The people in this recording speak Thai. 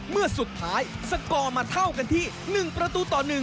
เมื่อสุดท้ายสกอร์มาเท่ากันที่๑ประตูต่อ๑